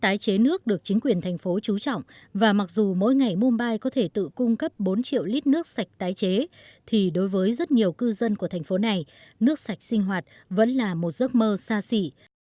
tái chế nước được chính quyền thành phố trú trọng và mặc dù mỗi ngày mumbai có thể tự cung cấp bốn triệu lít nước sạch tái chế thì đối với rất nhiều cư dân của thành phố này nước sạch sinh hoạt vẫn là một giấc mơ xa xỉ